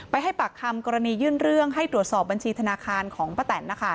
ให้ปากคำกรณียื่นเรื่องให้ตรวจสอบบัญชีธนาคารของป้าแตนนะคะ